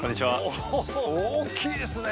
おー大きいですね！